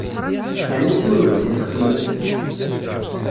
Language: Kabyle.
Ɛni s yiwen ufus i txeddmemt?